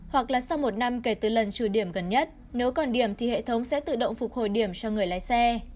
hoặc là sau một năm kể từ lần trừ điểm gần nhất nếu còn điểm thì hệ thống sẽ tự động phục hồi điểm cho người lái xe